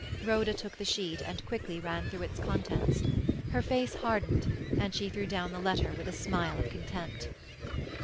Rhoda took the sheet and quickly ran through its contents. Her face hardened, and she threw down the letter with a smile of contempt.